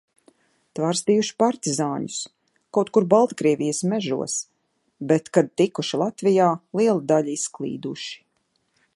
Tvarstījuši partizāņus, kaut kur Baltkrievijas mežos, bet, kad tikuši Latvijā, liela daļa izklīduši.